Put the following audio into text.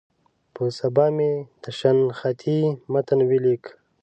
په سبا مې د شنختې متن ولیک.